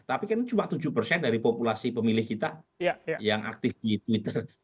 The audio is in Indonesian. tapi kan cuma tujuh persen dari populasi pemilih kita yang aktif di twitter